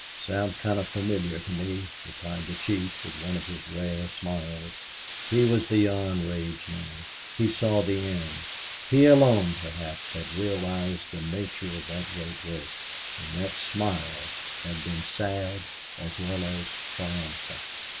Sounds kind of familiar to me," replied the chief, with one of his rare smiles. He was beyond rage now. He saw the end. He alone, perhaps, had realized the nature of that great work. And that smile had been sad as well as triumphant.